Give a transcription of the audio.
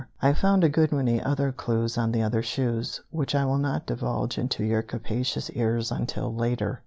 I've found a good many other clues on the other shoes, which I will not divulge into your capacious ears until later.